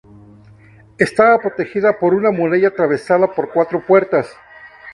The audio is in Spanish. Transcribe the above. Estaba protegida por una muralla atravesada por cuatro puertas.